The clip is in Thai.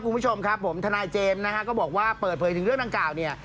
คุณผู้ชมครับผมทนายเจมส์นะฮะก็บอกว่าเปิดเผยถึงเรื่องดังกล่าวเนี่ย